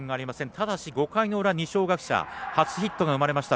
ただし、５回の裏、二松学舎初ヒットが生まれました。